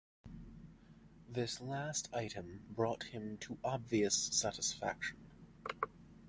This last item brought him obvious satisfaction.